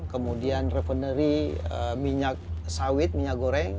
kemudian revenery minyak sawit minyak goreng